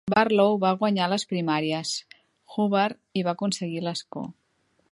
Barlow va guanyar les primàries Hubbard i va aconseguir l'escó.